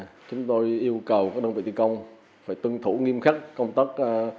đối với các đơn vị thi công thì chúng tôi yêu cầu các đơn vị thi công phải tuân thủ nghiêm khắc công tắc